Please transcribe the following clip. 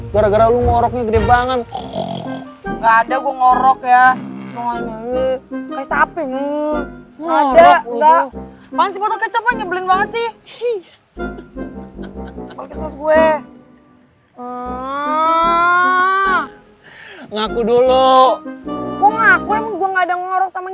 gara gara lu ngoroknya gede banget enggak ada gua ngorok ya ngorok enggak banget sih